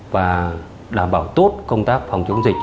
và đảm bảo tốt công tác phòng chống dịch